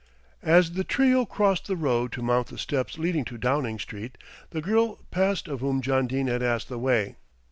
As the trio crossed the road to mount the steps leading to Downing Street, the girl passed of whom John Dene had asked the way.